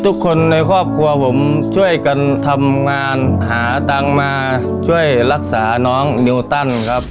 ทุกคนในครอบครัวผมช่วยกันทำงานหาตังค์มาช่วยรักษาน้องนิวตันครับ